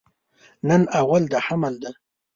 نن اول د حمل ده